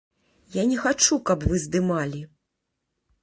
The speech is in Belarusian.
Я не хачу, каб вы здымалі!